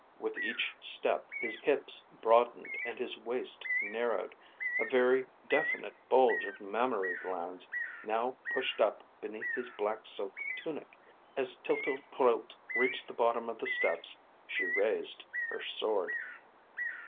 With each step, his hips broadened and his waist narrowed. A very definite bulge of mammary glands now pushed up beneath his black silk tunic. As Tltltrlte reached the bottom of the steps, she raised her sword.